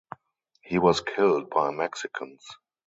He was killed by Mexicans.